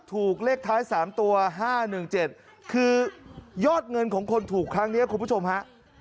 ถูกเลขท้าย๓ตัว๕๑๗คือยอดเงินของคนถูกครั้งนี้คุณผู้ชมฮะ